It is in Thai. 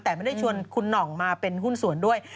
แต่ไม่ได้ชวนคุณหน่องมาเป็นหุ้นส่วนด้วย